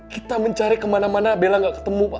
kita mencari kemana mana bella gak ketemu pak